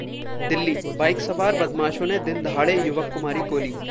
Delhi bike सवार बदमाशों ने दिन दहाड़े युवक को मारी गोली